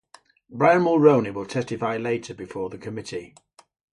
Brian Mulroney will testify later before the Committee.